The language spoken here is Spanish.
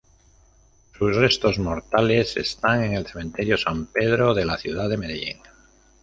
Sus restos mortales están en el cementerio San Pedro de la ciudad de Medellín.